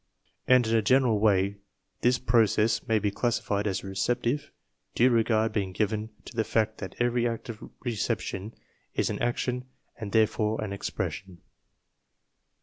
And in a general way this process may be classified as receptive (due regard being given to the fact that every act of reception is an action and there fore an expression)